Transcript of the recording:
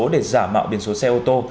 để giả mạo biển số xe ô tô